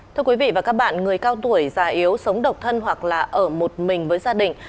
thưa quý vị và các bạn người cao tuổi già yếu sống độc thân hoặc là ở một mình với gia đình